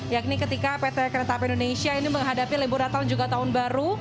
yakni ketika pt kereta api indonesia ini menghadapi libur natal juga tahun baru